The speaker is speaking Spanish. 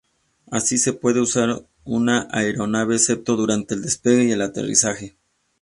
Así, se puede usar en una aeronave, excepto durante el despegue y el aterrizaje.